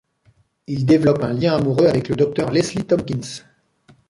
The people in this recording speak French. Il développe un lien amoureux avec le docteur Leslie Thompkins.